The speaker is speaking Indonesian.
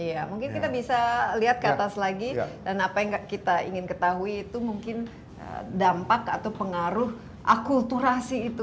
iya mungkin kita bisa lihat ke atas lagi dan apa yang kita ingin ketahui itu mungkin dampak atau pengaruh akulturasi itu